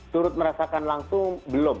turut merasakan langsung belum